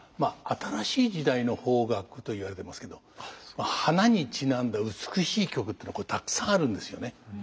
新しい時代の邦楽といわれてますけど花にちなんだ美しい曲っていうのはこれたくさんあるんですよね。